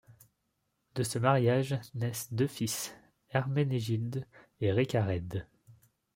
De ce mariage naissent deux fils, Herménégilde et Récarède.